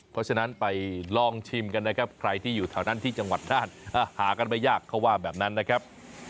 เพราะฉะนั้นไปลองชิมกันนะครับใครที่อยู่แถวนั้นที่จังหวัดน่านหากันไม่ยากเขาว่าแบบนั้นนะครับ